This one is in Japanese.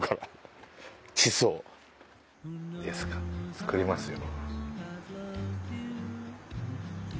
作りますよ。